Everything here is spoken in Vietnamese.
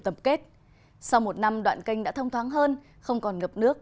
tập kết sau một năm đoạn canh đã thông thoáng hơn không còn ngập nước